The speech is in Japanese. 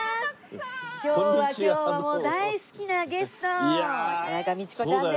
今日はもう大好きなゲスト田中道子ちゃんです。